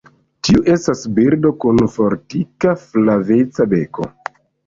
Tiu estas birdo kun fortika, flaveca beko.